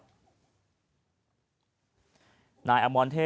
วันนี้ต้องจับตาหลายเรื่องครับ